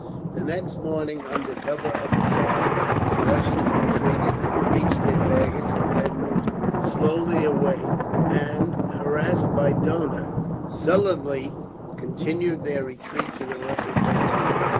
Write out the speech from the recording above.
The next morning, under cover of a fog, the Russians retreated, reached their baggage, and then moved slowly away; and, harassed by Dohna, sullenly continued their retreat to the Russian frontier.